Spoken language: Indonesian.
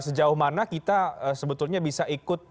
sejauh mana kita sebetulnya bisa ikut